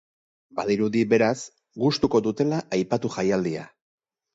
Badirudi, beraz, gustuko dutela aipatu jaialdia.